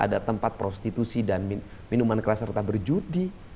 ada tempat prostitusi dan minuman keras serta berjudi